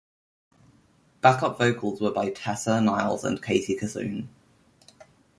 Back-up vocals were by Tessa Niles and Katie Kissoon.